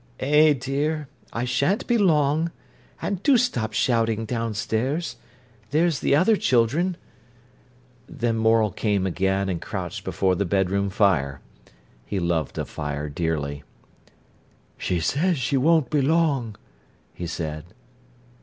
"Eh, dear! I shan't be long. And do stop shouting downstairs. There's the other children—" Then Morel came again and crouched before the bedroom fire. He loved a fire dearly. "She says she won't be long," he said.